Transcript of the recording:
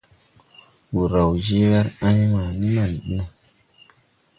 Wur raw je wer en ma ni man bi no.